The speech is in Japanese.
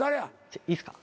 いいっすか？